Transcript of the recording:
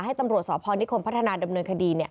ให้ตำรวจสพนิคมพัฒนาดำเนินคดี